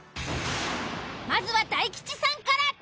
まずは大吉さんから。